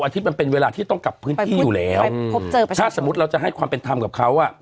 ถ้าสมมติเราจะให้ความเป็นทำกับเขา